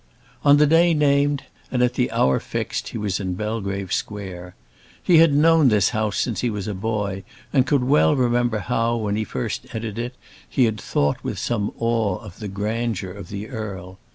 On the day named and at the hour fixed he was in Belgrave Square. He had known this house since he was a boy, and could well remember how, when he first entered it, he had thought with some awe of the grandeur of the Earl.